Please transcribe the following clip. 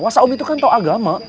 wasaom itu kan tau agama